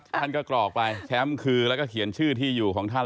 ท่านก็กรอกไปแชมป์คือแล้วก็เขียนชื่อที่อยู่ของท่าน